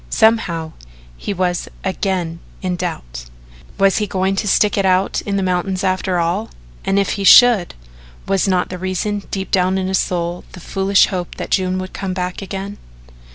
Somehow he was again in doubt was he going to stick it out in the mountains after all, and if he should, was not the reason, deep down in his soul, the foolish hope that June would come back again.